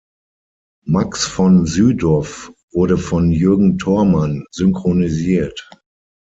Max von Sydow wurde von Jürgen Thormann synchronisiert.